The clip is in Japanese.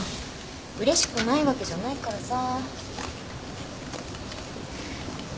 うれしくないわけじゃないからさ